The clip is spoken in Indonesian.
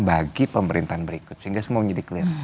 bagi pemerintahan berikut sehingga semua menjadi clear